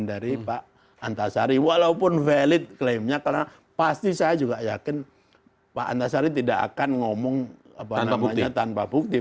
dari pak antasari walaupun valid klaimnya karena pasti saya juga yakin pak antasari tidak akan ngomong apa namanya tanpa bukti